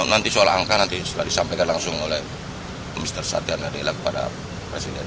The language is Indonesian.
nanti soal angka nanti disampaikan langsung oleh mr satyanarilak kepada presiden